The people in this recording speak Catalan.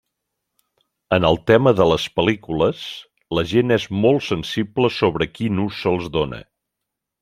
En el tema de les pel·lícules, la gent és molt sensible sobre quin ús se'ls dóna.